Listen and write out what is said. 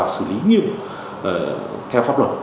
xử lý nghiêm theo pháp luật